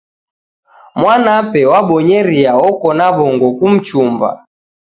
Mwanape wabonyeria oko na w'ongo kumchumba.